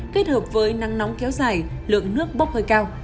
kết hợp với nắng nóng kéo dài lượng nước bốc hơi cao